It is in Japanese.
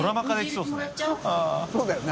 そうだよな。